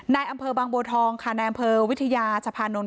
นายอำเภอบางโบทองค่ะนายอำเภอวิทยาสะพานนท์